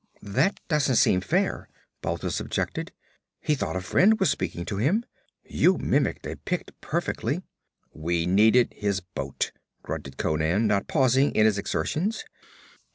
'That doesn't seem fair,' Balthus objected. 'He thought a friend was speaking to him. You mimicked a Pict perfectly ' 'We needed his boat,' grunted Conan, not pausing in his exertions.